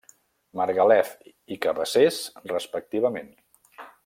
Margalef i Cabassers, respectivament.